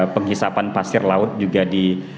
penghisapan pasir laut juga di